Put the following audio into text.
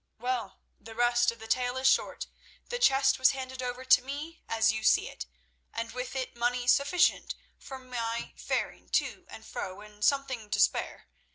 Well, the rest of the tale is short. The chest was handed over to me as you see it, and with it money sufficient for my faring to and fro and something to spare.